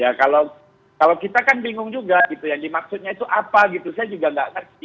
ya kalau kita kan bingung juga gitu ya jadi maksudnya itu apa gitu saya juga gak ngerti